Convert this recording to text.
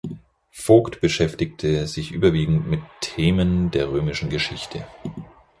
Vogt beschäftigte sich überwiegend mit Themen der römischen Geschichte.